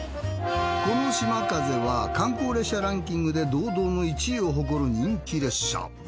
このしまかぜは観光列車ランキングで堂々の１位を誇る人気列車。